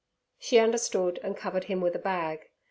She understood and covered him with a bag.